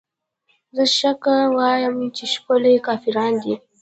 زه شکه وايمه چې ښکلې کافران دي